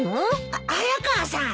あっ早川さん。